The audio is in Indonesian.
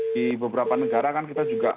di beberapa negara kan kita juga